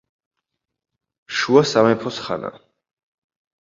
შუა სამეფოს ხანა.